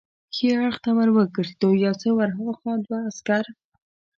ښي اړخ ته ور وګرځېدو، یو څه ور هاخوا دوه عسکر.